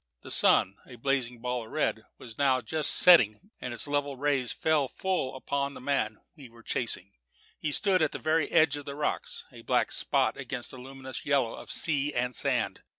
The sun a blazing ball of red was just now setting behind us, and its level rays fell full upon the man we were chasing. He stood on the very edge of the rocks, a black spot against the luminous yellow of sea and sand.